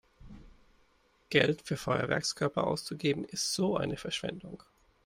Geld für Feuerwerkskörper auszugeben ist so eine Verschwendung!